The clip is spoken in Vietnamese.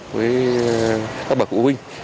với các bà cụ huynh